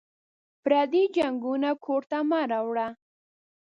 پردي جنګونه کور ته مه راوړه